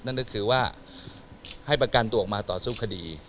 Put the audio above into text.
นั่นก็คือว่าให้ประกันตัวออกมาต่อสู้คดี